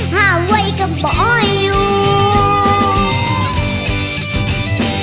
กล่ากลับไปนิ้วเวิร์ด